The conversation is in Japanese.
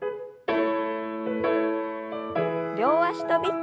両脚跳び。